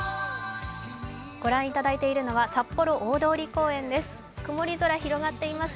御覧いただいているのは札幌大通公園です。